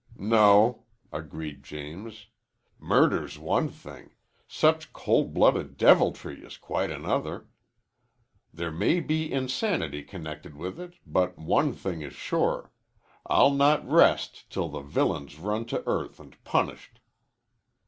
"No," agreed James. "Murder's one thing. Such coldblooded deviltry is quite another. There may be insanity connected with it. But one thing is sure. I'll not rest till the villain's run to earth and punished."